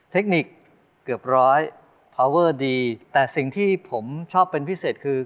เทคนิคเกือบร้อยพาวเวอร์ดีแต่สิ่งที่ผมชอบเป็นพิเศษคือ